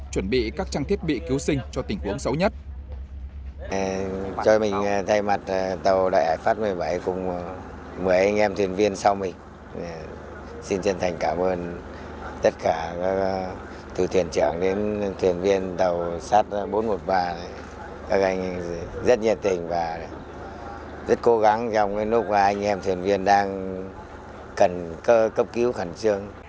chuẩn bị các trang thiết bị cứu sinh cho tình huống xấu nhất